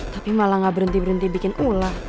tapi malah gak berhenti berhenti bikin ulah